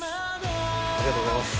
ありがとうございます。